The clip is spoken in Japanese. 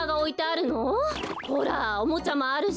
ほらおもちゃもあるし。